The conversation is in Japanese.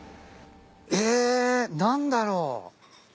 何だろう？